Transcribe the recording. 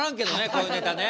こういうネタね。